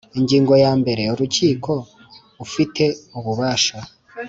Ingingo ya mbere Urukiko ufite ububasha